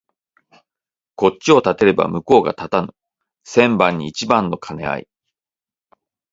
こっちを立てれば向こうが立たぬ千番に一番の兼合い